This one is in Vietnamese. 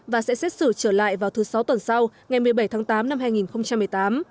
và sẽ xét xử trở lại vào thứ sáu tuần sau ngày một mươi bảy tháng tám năm hai nghìn một mươi tám